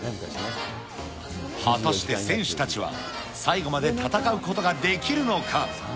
果たして選手たちは、最後まで戦うことができるのか。